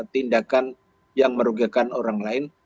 tindakan yang merugikan orang lain